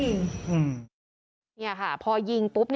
นี่ค่ะพอยิงปุ๊บ